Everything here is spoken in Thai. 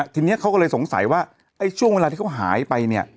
ทีนี้เขาก็เลยสงสัยว่าไอ้ช่วงเวลาที่เขาหายไปเนี่ย